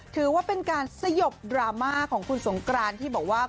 ถือว่าเป็นการสยบดราม่าของคุณสงกรานที่บอกว่า